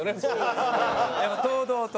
堂々と。